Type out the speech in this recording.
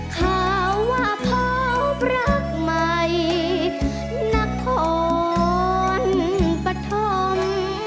ข้าว่าพบรักใหม่นักขนปธม